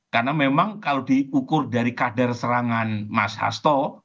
karena memang kalau diukur dari kadar serangan mas hasto